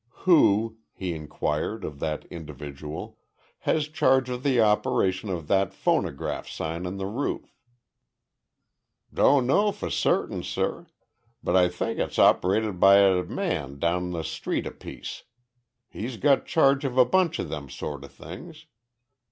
"Who," he inquired of that individual, "has charge of the operation of that phonograph sign on the roof?" "Doan know fuh certain, suh, but Ah think it's operated by a man down the street a piece. He's got charge of a bunch of them sort o' things.